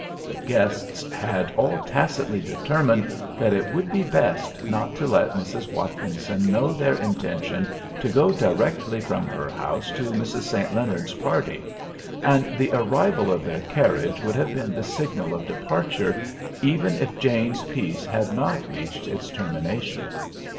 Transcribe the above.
The guests had all tacitly determined that it would be best not to let Mrs. Watkinson know their intention to go directly from her house to Mrs. St. Leonard's party; and the arrival of their carriage would have been the signal of departure, even if Jane's piece had not reached its termination.